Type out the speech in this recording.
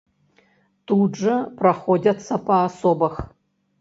Тут жа праходзяцца па асобах.